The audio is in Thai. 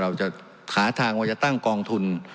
เราจะหาทางว่าจะตั้งกองทุน